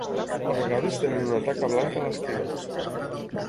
A vegades tenen una taca blanca a l'esquena.